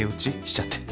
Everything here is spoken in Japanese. しちゃって。